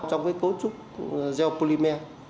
trong cấu trúc gel polymer